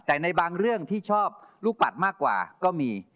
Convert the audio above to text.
แต่ในบางเรื่องที่ชอบลูกปัดมากกว่าก็มี